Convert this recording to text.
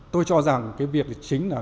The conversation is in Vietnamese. tôi cho rằng cái việc chính là